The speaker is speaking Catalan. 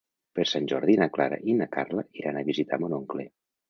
Per Sant Jordi na Clara i na Carla iran a visitar mon oncle.